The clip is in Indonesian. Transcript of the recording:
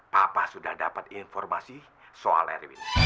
papa sudah dapat informasi soal erwin